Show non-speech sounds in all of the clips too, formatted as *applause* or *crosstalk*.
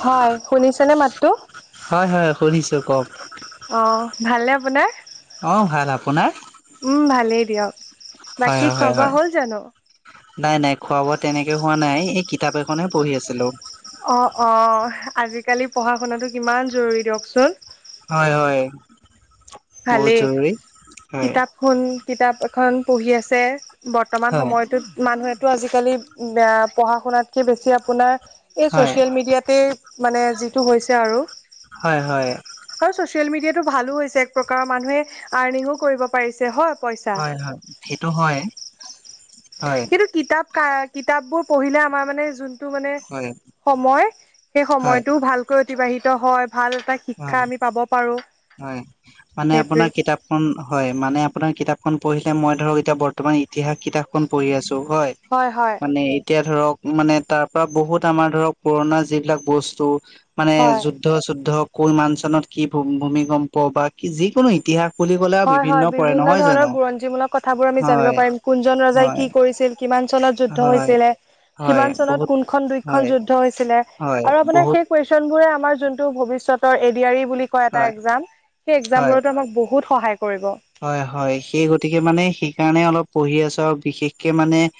হয়, শুনিছানে মাতটো? হয়, হয় শুনিছো কওঁক। অঁ, ভালনে আপোনাৰ? অঁ ভাল, আপোনাৰ? উম ভালেই দিয়ক। হয়, হয়, বাকী খোৱা হয়, বোৱা হয়। হ'ল জানো নাই নাই খোৱা বোৱা তেনেকে হোৱা নাই, এই কিতাপ এখননেহে পঢ়ি আছিলোঁ। অঁ, অঁ আজিকালি পঢ়া শুনাাটো কিমান জৰুৰী দিয়কচোন। হয়, হয় বহুত জৰুৰী হয়। কোন কিতাপ এখন পঢ়ি আছে বৰ্তমান হয় সময়টোত- মানুহেতো আজিকালি পঢ়া শুনাতকৈ বেছি আপোনাৰ এই হয় ছ'চিয়েল মিডিয়াতে- মানে যিটো হৈছে আৰু- হয়, হয়। আৰু ছচিয়েল মিডিয়াটো ভালো হৈছে, এক প্ৰকাৰৰ মানুহে আৰ্নিঙো কৰিব পাৰিছে হয়। পইচা হয়, হয় সেইটো হয়, হয়। কিন্তু কিতাপ কাৰ, কিতাপবোৰ পঢ়িলে আমাৰ মানে যোন- টো মানে হয় সময়, সেই হয় সময়টো ভালকৈ অতিবাহিত হয়, ভাল এটা- শিক্ষা হয় আমি পাব পাৰোঁ। হয় মানে আপোনাৰ কিতাপখন হয় মানে আপোনাৰ কিতাপখন পঢ়িলে মই ধৰক এতিয়া- তোমাৰ ইতিহাস কিতাপখন পঢ়ি আছো হয় মানে- এতিয়া ধৰক মানে তাৰ পৰা বহুত আমাৰ ধৰক পুৰণা যিবিলাক বস্তু মানে হয় - যুদ্ধ- চুদ্ধ কিমান চনত, কি ভূমিকম্প বা কি যিকোনো ইতিহাস- বুলি ক'লে আৰু হয়, হয়। পৰে বিভিন্ন নহয় ধৰণৰ জানো? বুৰঞ্জীমূলক কথাবোৰ আমি জানিব হয় পাৰিম কোনজন ৰজাই হয় কি কৰিছিল, - কিমান চনত যুদ্ধ হয় হৈছিলে, হয় কিমান বহুত চনত কোনখন দুইখন হয় যুদ্ধ- হৈছিলে হয় আৰু আপোনাৰ বহুত সেই কুৱেচনবিলাকে আমাৰ ভৱিষ্যৎতৰ এডিআৰই বুলি- এটা হয় একজাম, সেই একজাম হয় বোৰতো আমাক বহুত সহায় কৰিব। হয়, হয়। সেই গতিকে মানে সেইকাৰণে অলপ পঢ়ি আছো আৰু বিশেষকে মানে-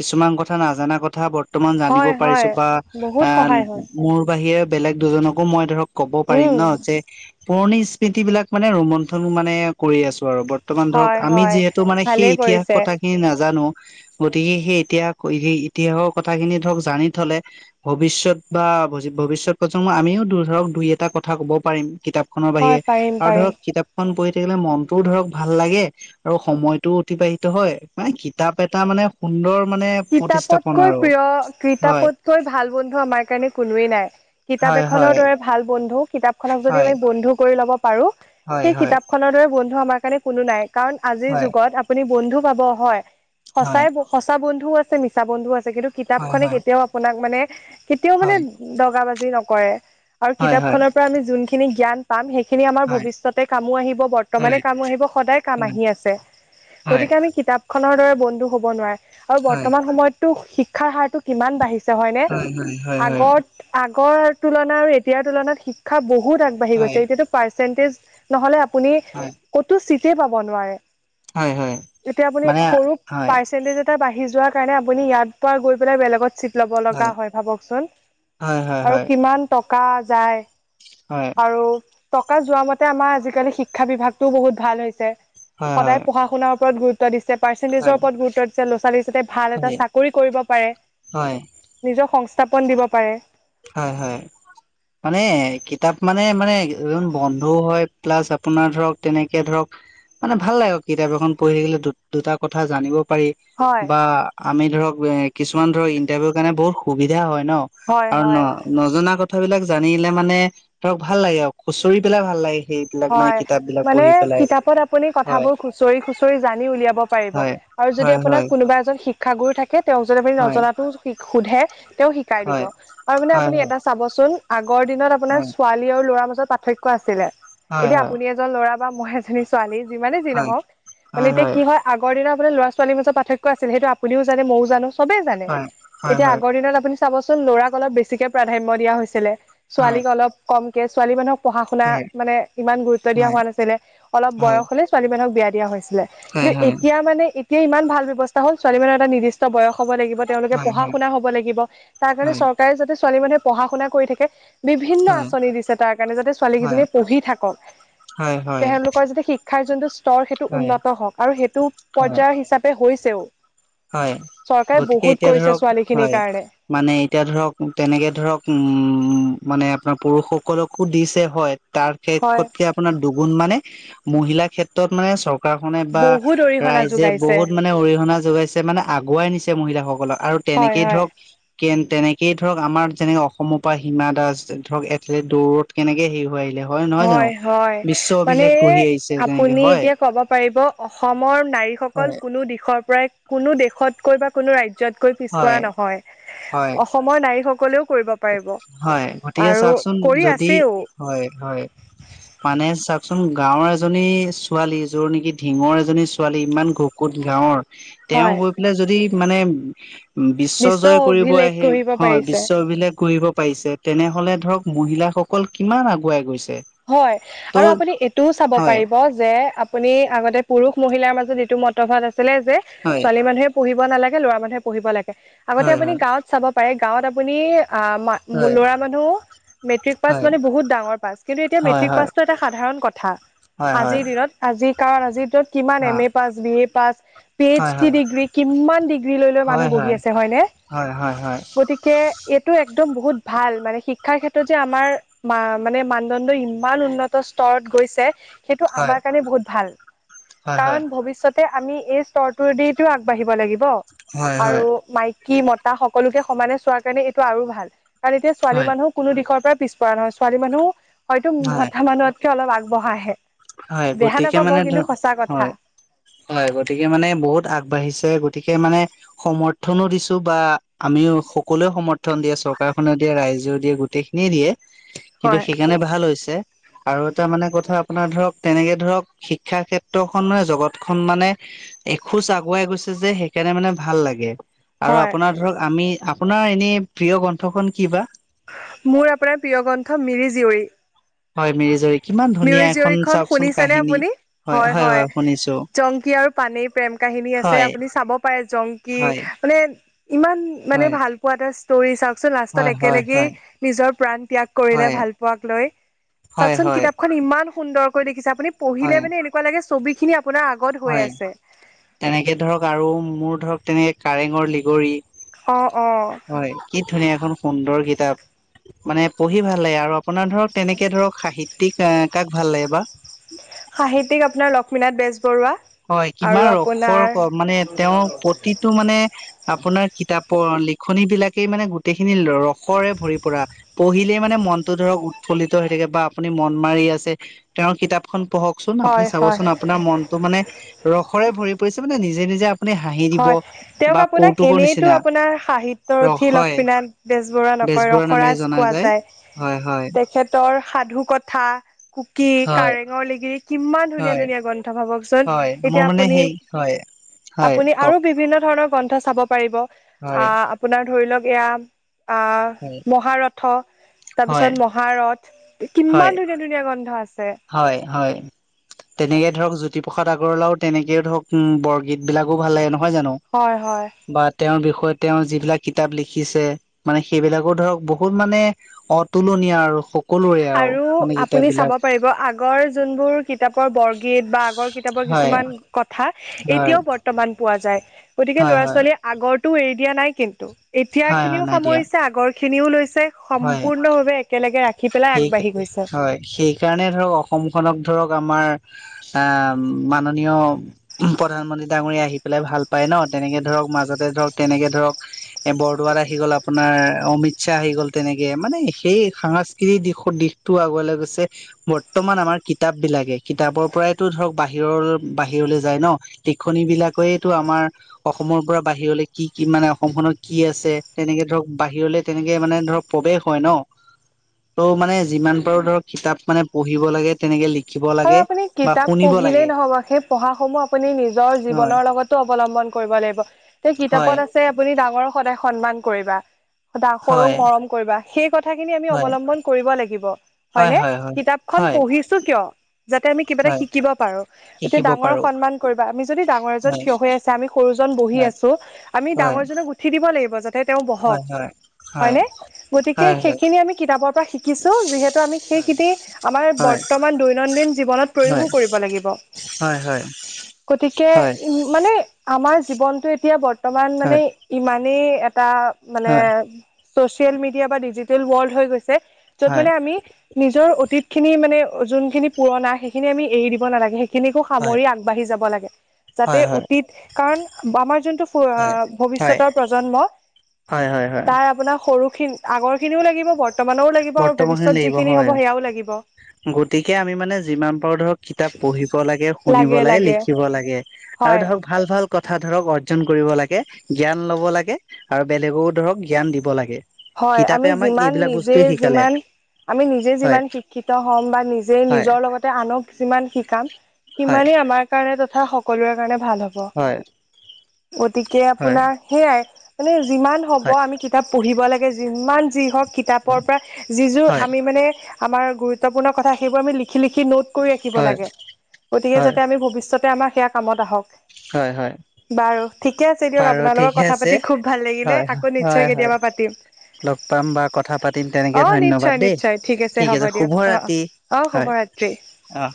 কিছুমান কথা, নাজানা কথা বৰ্তমান জানিব হয় হয় পাৰিছো বা বহুত এ- সহায় হয় মোৰ বাহিৰে বেলেগ দুজনকো মই ধৰক ক'ব পাৰিম উম ন যে পুৰণি স্মৃতিবিলাক মানে ৰোমন্থন মানে কৰি আছো আৰু বৰ্তমান ধৰক, হয় আমি হয় যিহেতু মানে সেই ভালেই ইতিহাস কৰিছে কথাখিনি নাজানো। গতিকে সেই ইতিহাস ক সেই ইতিহাসৰ কথাখিনি ধৰক জানি থলে ভৱিষ্যত বা ভজি ভৱিষ্যত প্ৰজন্ম আমিও দু ধৰক দুই এটা কথা ক'ব পাৰিম কিতাপ খনৰ হয় বাহিৰে পাৰিম আৰু পাৰিম ধৰক কিতাপখন পঢ়ি থাকিলে মন টো ধৰক ভাল লাগে আৰু সময়টো অতিবাহিত হয় মানে কিতাপ এটা মানে সুন্দৰ মানে প্ৰতিস্থাপন কিতাপতকৈ আৰু প্ৰিয়, হয় কিতাপতকৈ ভাল বন্ধু আমাৰ কাৰণে কোনোৱেই নাই। কিতাপ হয় এখনৰ হয় দৰে ভাল বন্ধু, কিতাপখনক যদি হয় আমি বন্ধু কৰি ল'ব পাৰো হয় সেই হয় কিতাপ খনৰ দৰে বন্ধু আমাৰ কাৰণে কোনো নাই কাৰণ আজিৰ হয় যুগত আপুনি বন্ধু পাব হয় হয় সচাই ব সঁচা বন্ধুও আছে, মিছা বন্ধুও আছে কিন্তু হয় কিতাপখনে হয় কেতিয়াও আপোনাক মানে কেতিয়াও মানে দগা বাজি নকৰে আৰু হয় হয় হয় কিতাপখনৰ পৰা আমি যোনখিনি জ্ঞান পাম সেইখিনি আমাৰ হয় ভৱিষ্যতে কামো আহিব, বৰ্তমানে হয় হয় কামো আহিব, সদায় কাম আহি আছে। হয় গতিকে আমি কিতাপ খনৰ দৰে বন্ধু হ'ব নোৱাৰে আৰু বৰ্তমান সময়ততো শিক্ষাৰ হাৰটো কিমান বাঢ়ি ছে হয়নে? হয় হয় হয় হয় আগত আগৰ তুলনাত আৰু এতিয়াৰ তুলনাত শিক্ষা বহুত আগবাঢ়ি হয় গৈছে এতিয়াতো পাৰ্চেণ্টেজ নহলে আপুনি হয়। কতো চিটে পাব নোৱাৰে হয় হয় যেতিয়া আপুনি মানে সৰু হয় পাৰ্চেন্টেজ তে বাঢ়ি যোৱাৰ কাৰণে আপুনি ইয়াৰ পৰা গৈ পেলাই বেলেগত চি ল'ব লগা হয় ভাবকচোন হয় হয় আৰু হয় কিমান টকা যায়। হয়। আৰু টকা যোৱা মতে আমাৰ আজিকালি শিক্ষা বিভাগটো বহুত ভাল হৈছে। হয় সদায় পঢ়াৰ - শুনাৰ ওপৰত গুৰুত্ব দিছে, হয় পাৰ্চেণ্টজৰ ওপৰত গুৰুত্ব দিছে', লৰা - ছোৱালীচতে ভাল এটা হয় চাকৰি কৰিব পাৰে, হয় নিজক সংস্থাপন দিব পাৰে। হয় হয়। মানে কিতাপ মানে মানে এজন বন্ধু হয়, প্লাছ আপোনাৰ ধৰক তেনেকে ধৰক মানে ভাল লাগে কিতাপ এখন পঢ়ি থাকিলে দু দুটা কথা জানিব পাৰি। হয় বা আমি ধৰক এ কিছুমান ধৰক ইন্টাৰভিউ কাৰণে বহুত সুবিধা হয় ন হয় আৰু ন হয় নজনা কথাবিলাক জানিলে মানে ধৰক ভাল লাগে আৰু খুঁচৰি পেলাই ভাল লাগে। অলপ মানে হয় কিতাপ বিলাক মানে পঢ়ি পেলাই কিতাপত আপুনি হয় কথাবোৰ খুচৰি - খুচৰি জানি উলিয়াব পাৰিব। হয় আৰু যদি হয় আপোনাৰ হয় কোনোবা এজন শিক্ষাগুৰু থাকে, তেওঁক যদি আপুনি নজনাতো শিক সোধে তেওঁ শি কাই দিব হয় আৰু মানে হয় আপুনি এটা চাবচোন আগৰ দিনত হয় আপোনাৰ ছোৱালী আৰু ল'ৰাৰ মাজত পাৰ্থক্য আছিলে? হয় হয় এতিয়া হয় আপুনি এজন ল'ৰা বা মই এজনী ছোৱালী যিমানে যি হয় নহওক মানে এতিয়া কি হয় আগৰ দিনৰপৰা লৰা' - ছোৱালীৰ মাজত পাৰ্থক্য আছিল, সেইটো আপুনিও জানে ময়ো জানো চবে জানে, হয় হয় হয় এতিয়া আগৰ দিনত আপুনি চাবচোন ল'ৰাক অলপ বেছিকে প্ৰাধান্য দিয়া হৈছিলে হয় ছোৱালীক অলপ কমকে, ছোৱালী মানুহক হয় পঢ়া-শুনা হয় মানে ইমান গুৰুত্ব দিয়া হোৱা নাছিলে, অলপ হয় হয় বয়স হ'লে ছোৱালী মানুহক বিয়া দিয়া হৈছিলে হয় কিন্তু হয় এতিয়া মানে এ তিয়া ইমান ভাল ব্যৱস্থা হ'ল, ছোৱালী মানুহৰ এটা নিৰ্দিষ্ট বয়স হ'ব লাগিব তেওঁলোকে হয় হয় পঢ়া-শুনা হ'ব লাগিব, তাৰ কাৰণে হয় চৰকাৰে যাতে ছোৱালী মানুহে পঢ়া-শুনা কৰি থাকে বিভিন্ন হয় আঁচনি দিছে তাৰ কাৰণে যাতে হয় ছোৱালীকেইজনীয়ে পঢ়ি থাকক, হয় হয় তেওঁলোকৰ যাতে শিক শিক্ষাৰ যোনটো স্তৰ সেইটো হয় উন্নত হওক আৰু সেইটো হয় পৰ্যায়ৰ হিচাপে হৈছেও। হয় চৰকাৰে গতিকে বহুত এতিয়া কৰিছে ধৰক ছোৱালীখিনিৰ হয় কাৰণে। মানে এতিয়া ধৰক, তেনেকে ধৰক উম মানে আপোনাৰ পুৰুষসকলকো দিছে হয় তাৰ হয় শেষতকে আপোনাৰ দুগুণ মানে মহিলা ক্ষেত্ৰত মানে চৰ গাঁওখনে বা বহুত অৰিহণা ৰাইজে যোগাইছে বহুত মানে অৰিহণা যোগাইছ তে মানে আগুৱাই নিছে মহিলাসকলক আৰু হয় তেনেকেই হয় ধৰক কেন তেনেকেই ধৰক আমাৰ যেনেক অসমৰ পৰা হিমা দাস দ ধৰক এথলেট দৌৰত কেনেকে হেৰি হৈ আহিলে নহয় জানো হয় হয়। বিশ্ব মানে অভিলেখ গঢ়ি আহিছ আপুনি এতিয়া ক'ব পাৰিব, অসমৰ হয় নাৰীসকল কোনো দিশৰ পৰাই কোনো দেশতকৈ বা কোনো ৰাজ্যতকৈ পিছপৰা হয় নহয়, হয় অসমৰ নাৰী সকলেও কৰিব পাৰিব হয় গতিকে আৰু চাওকচোন কৰি যদি আছেও। হয়, হয়। মানে চাওকচোন গাঁওৰ এজনী ছোৱালী, যোৰ নেকি ঢিঙৰ এজনী ছোৱালী ইমান ঘো ক'ত গাঁৱৰ, তেওঁ হয় গৈ পেলাই যদি মানে উম, বিশ্ব জয় কৰিব অভিলেখ আহে, গঢ়িব হয় পাৰিছে বিশ্ব অভিলেখ কৰিব পাৰিছে, তেনেহ'লে ধৰক মহিলাসকল কিমান আগুৱাই গৈছে। হয় আৰু ত' আপুনি এইটোও চাব হয় পাৰিব যে আ পুনি আগতে পুৰুষ - মহিলাৰ মাজত এইটো মতভাত আছিলে যে, হয় ছোৱালী মানুহে পঢ়িব নালাগে, ল'ৰা মানুহে পঢ়িব লাগে, আগতে হয় আপুনি গাঁৱত চাব পাৰে গাঁৱত আপুনি আ' মা উম, হয় ল'ৰা মানুহ মেট্ৰিক হয় পাছ হয় কৰিলে বহুত ডাঙৰ পাছ। কিন্তু এতিয়া হয় মেট্ৰিক হয় পাছটো এটা সাধাৰণ কথা। হয় হয় আজিৰ দিনত, আজিৰ কাৰণ আজিৰ দিনটোত কিমান এম অ', A pass, B A pass P H হয় ডি হয় ডিগ্ৰী, কিমান ডিগ্ৰী লৈ লৈ মানুহ হয় বহি হয় আছে হয়নে? হয় হয় গতি কে এইটো একদম বহুত ভাল মানে শিক্ষাৰ ক্ষেত্ৰত যে আমাৰ মা-মানে মানু জনটো ইমান উন্নত স্তৰত গৈছে সেইটো হয় আমাৰ কাৰণে বহুত ভাল হয় হয় হয় কাৰণ ভৱিষ্যতে আমি এই স্তৰটোদি টো আগবাঢ়িব লাগিব হয় হয় আৰু মাই কি মতা সকলোকে সমানে চোৱাৰ কাৰণে এইটো আৰু ভাল কাৰণ এতিয়া ছোৱালী হয় মানুহ কোনো দিশৰ পৰা পিছপৰা নহয়, ছোৱালী মানুহ হয়তো হয় *unintelligible* অলপ আগবঢ়াহে। হয় বেয়া গতিকে নাপাব মানে ধ কিন্তু সঁচা হয় কথা। হয় গতিকে মানে বহুত আগবাঢ়িছে গতিকে মানে সমৰ্থনো দিছো বা আমিও সকলোৱে সমথ থন দিয়ে, চৰকাৰখনে দিয়ে, ৰাইজেও দিয়ে, গোটেইখিনিয়ে দিয়ে। কিন্তু হয় সেইকাৰণে ভাল হৈছে আৰু এটা মানে কথা আপোনাৰ ধৰক, তেনেকে ধৰক শিক্ষা ক্ষেত্ৰখন মানে জগতখন মানে এখোজ আগুৱাই গৈছে যে সেইকাৰণে মানে ভাল লাগে। আৰু হয় আপোনাৰ ধৰক, আমি আপোনাৰ এনে প্ৰিয় গ্ৰন্থখন কি বা? মোৰ আপোনাৰ প্ৰিয় গ্ৰন্থ মিৰি-জীয়ৰী। হয়, মিৰি-জীয়ৰী। মিৰি জিয়ৰিখন শুনিছে নে আপুনি? হয়, হয় জংকী আৰু পানিৰ প্ৰেম কাহিনী আছে হয় আপুনি চাব পাৰে জংকি হয় মানে ইমান হয় মানে ভাল কোৱা এটা ষ্টৰি চাওকচোন হয় লাষ্টত হয় একেলগেই হয় নিজৰ প্ৰাণ ত্যাগ কৰিলে হয় ভাল পোৱাক লৈ। হয়, হয়। খন ইমান সুন্দৰকৈ দেখিছে, আপুনি হয় পঢ়িলে মানে এনেকুৱা লাগে ছবিখিনি আপোনাৰ আগত হৈ হয় আছে। তেনেকে ধৰক আৰু মোৰ ধৰক তেনেকে কাৰেঙৰ লিগৰি। অঁ, অঁ। হয়, কি ধুনীয়া এখন সুন্দৰ কিতাপ। মানে পঢ়ি ভাল লাগে, আৰু আপোনাৰ ধৰক তেনেকে ধৰক সাহিত্যিক এ কাক ভাল লাগে বা? সাহিত্যিক আপোনাৰ লক্ষ্মীনাথ বেজবৰুৱা। হয়, আৰু কিমান আপোনাৰ ৰসৰ ক, মানে তেওঁৰ প্ৰতিটো মানে- আপোনাৰ কিতাপৰ লিখনি বিলাকেই মানে গোটেইখিনি ৰসৰে ভৰি পৰা। পঢ়িলেই মানে মনতটো ধৰক উৎফল্লিত হৈ থাকে বা আপুনি মন মাৰি আছে তেওঁৰ কিতাপখন পঢ়ক- চোন আপুনি হয় হয় চাবচোন আপোনাৰ মনতটো মানে ৰসৰে ভৰি পৰিছে মানে নিজে নিজে- আপুনি হাঁহি দিব হয়, তেওঁক বা আপোনাক কৌতুকৰ এনেইতো নিচিনা আপোনাৰ ৰস সাহিত্যৰথি হয় লক্ষ্মীনাথ- বেজবৰুৱা নকয় বেজবৰুৱা নামেৰে ৰসৰাজ জনা কোৱা যায়। হয়', হয়। তহ সাধু কথা, কুকি, হয় কাৰেঙৰ লিগিৰি কিমান ধুনীয়া হয় ধুনীয়া গ্ৰন্থ ভাবক- চন, হয় মোৰ এতিয়া মানে আপুনি- সেই হয়। হয় পুনি কওক আৰু বিভিন্ন ধৰণৰ গ্ৰন্থ চাব পাৰিব, আ হয় আপোনাৰ ধৰি লওক এয়া আ- হয় মহাৰথ হয় তাৰপিছত মহাৰথ হয় কিমান ধুনীয়া ধুনীয়া গন্ত্ৰ আছে। হয়, হয়। তেনেকে ধৰক জ্যোতিপ্ৰৰসাদ আগৰৱালাও তেনেকেও ধৰক উম বৰগীত বিলাকো ভাল লাগে নহয় জানো? হয়, হয়। বা তেওঁৰ বিষয়ে তেওঁ যিবিলাক কিতাপ লিখিছে মানে সেইবিলাকো ধৰক বহুত মানে- অতুলনীয়া আৰু- সকলোৰে আৰু মানে কিতাপ আপুনি চাব বিলাক পাৰিব আগ- গৰ যোনবোৰ কিতাপৰ বৰগীত বা আগৰ কিতাপৰ হয় কিছুমান কথা হয় এতিয়াও ব- ৰ্তমান পোৱা যায়, গতিকে হয় ল'ৰা হয় ছোৱালীয়ে আগৰতো এৰি দিয়া নাই কিন্তু। এতিয়া হয় হয় খিনিও নাই দিয়া সামৰিছে আগৰ খিনিও লৈছে হয় সম্পূৰ্ণভাৱে একেলগে ৰা- সি পেলাই সেই আগবাঢ়ি গৈছে। হয়, সেই- কাৰণে ধৰক অসমখনক ধৰক আমাৰ আ মাননীয়- প্ৰধানমন্ত্ৰী ডাঙৰি আহি পেলাই ভাল পায় ন, তেনেকে ধৰক মাজতে ধৰক তেনেকে ধৰক- এ, বৰদোৱাৰ আহি গ'ল আপোনাৰ অমিত শ্বাহ আহি গ'ল। তেনেকে মানে সেই সাংস্কৃতিক দিশৰ দিশটো আগলৈ গৈছে। বৰ্তমান আমাৰ কিতাপ বিলাকে কিতাপৰ পৰাইতো ধৰক বাহিৰৰ, বাহিৰলৈ যায় ন। তিখণি বিলাকেটো আমাৰ- অসমৰ পৰা বাহিৰলে কি কি মানে অসমখনত কি আছে, তেনেকে ধৰক বাহিৰলে তেনেকে মানে ধৰক- প্ৰৱেশ হয় ন, ত মানে যিমান পাৰো ধৰক কিতাপ মানে পঢ়িব লাগে- তেনেকে লিখিব। হয় লাগে আপুনি বা কিতাপ শুনিব পঢ়িলেই লাগে নহব, সেই পঢ়া সমূহ আপুনি নিজৰ হয় জীৱনৰ লগতো অৱলম্বন কৰিব লাগিব। ত হয় কিতাপত আছে আপুনি ডাঙৰক সদায় সন্মান কৰিবা, দা হয় সৰুক মৰম কৰিবা। সেই কথাখিনি আমি হয়, অৱলম্বন কৰিব লাগিব হয়, হয়নে? হয়, হয়, কিতাপখন হয়, পঢ়িছো কিয়? যাতে আমি কিবা এটা হয়, শিকিব পাৰো। এতিয়া শিকিব ডাঙৰক পাৰো সন্মান কৰিবা, আমি যদি ডাঙৰ এজন হয়, থিয় হৈ আছে, আমি সৰুজন বহি হয়, আছো- আমি হয়, ডাঙৰজনক উঠি দিব লাগিব, যাতে তেওঁ বহক। হ- হয় নে? গতিকে সেইখিনি আমি কিতাপৰ পৰা শিকিছো যিহেতু আমি হয়, সেইখিনি- আমাৰ বৰ্তমান দৈনন্দিন- জীৱনত হয়, প্ৰয়োগউ, কৰিব লাগিব হয়, হয়, হয়, হয়, গতিকে, হয়, উমঁ- মানে আমাৰ জীৱনটো এতিয়া বৰ্তমান মানে ইমানেই এটা। মানে হয়, চচিয়েল মিডিয়া বা ডিজিটেল ৱৰ্লড হৈ গৈছে হয়, হয়, য'ত হয়, মানে আমি- নিজৰ অতীত খিনি মানে যোনখিনি পুৰণা সেইখিনি আমি এৰি দিব নালাগে। খিনিকো সামৰি আগবাঢ়ি যাব লাগে যাতে হয়, অতীত কাৰণ আমাৰ যোনটো- হয়, ভৱিষ্যতৰ প্ৰজন্ম হয়, হয়, হয়, তাৰ আপোনাৰ সৰুখিন। আগৰ খিনিও লাগিব বৰ্তমানৰও লাগিব আৰু বৰ্তমানখিনি ভৱিষ্যত লাগিব যিখিনি হ'ব হয়, সেয়াও লাগিব। গতিকে আমি মানে যিমান পাৰো ধৰক- কিতাপ পঢ়িব লাগে শুনিব লাগে লিখিব লাগে আৰু হয় ধৰক ভাল ভাল কথা ধৰক অৰ্জন কৰিব লাগে জ্ঞান ল'ব লাগে। আৰু বেলেগকো ধৰক জ্ঞান দিব লাগে। হয়ঁ কিতাপে আমি আমাক যিমান এইবিলাক নিজে- বস্তুৱে এই শিকালে যিমান আমি নিজে হয়, যিমান শিক্ষিত হ'ম বা নিজে হয়। নিজৰ লগত। আনক যিমান শিকাম হয় সিমানেই আমাৰ কাৰণে তথা সকলোৰে কাৰণে ভাল হ'ব। হয়ঁ। গতিকে আপোনাৰ সেইয়াই, মানে যিমান হ'ব হয় আমি কিতাপ পঢ়িব লাগে যিমান- যি, হওঁক হয় কিতাপৰ পৰা যিযোৰ হয় আমি মানে- আমাৰ গুৰুত্বপূৰ্ণ কথা সেইবোৰ আমি লিখি লিখি নোট- কৰি ৰাখিব লাগে গতিকে যাতে আমি ভৱিষ্যতে আমাৰ সেয়া কামত আহক। হয়ঁ হয়ঁ! বাৰু ঠিকে আছে দিয়ক আপোনাৰ লগত কথা আছে পাতি খুব ভাল লাগিলে হয় আকৌ হয় নিশ্চয় হয় কেতিয়াবা পাতিম। লগ পাম বা কথা পাতিম তেনেকে অ ধন্যবাদ নিশ্চয় দেই ঠিক আছে শুভ ৰাতি। অঁ শুভৰাত্ৰি। অঁ!